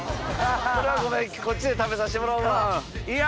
これはごめんこっちで食べさしてもらうわ。